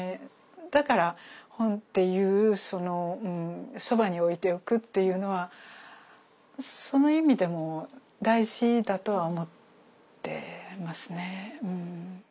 だから本っていうそのそばに置いておくっていうのはその意味でも大事だとは思ってますね。